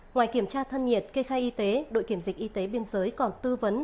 ngoài kiểm tra thân nhiệt kê khai y tế đội kiểm dịch y tế biên giới còn tư vấn